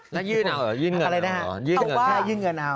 แล้วยื่นเอาหรอยื่นเงินเอาหรอต้องปะใช่ยื่นเงินเอา